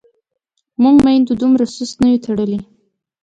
موږ میندو دومره سست نه یو تړلي.